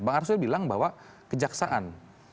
bang arsul bilang bahwa kejaksaan